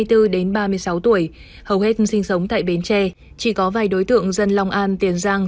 từ hai mươi bốn đến ba mươi sáu tuổi hầu hết sinh sống tại bến tre chỉ có vài đối tượng dân long an tiền giang